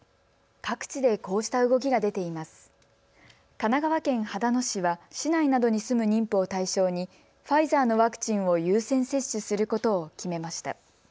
神奈川県秦野市は市内などに住む妊婦を対象にファイザーのワクチンを優先接種することを決めました。